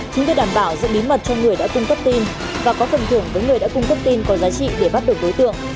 chính để đảm bảo giữ bí mật cho người đã cung cấp tin và có phần thưởng với người đã cung cấp tin có giá trị để bắt được đối tượng